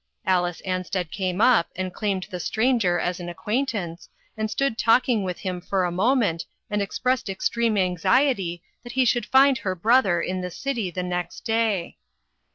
Alice An sted came up, and claimed the stranger as an acquaintance, and stood talking with him for a moment and expressed extreme anxiety that he should find her brother in the city the next day.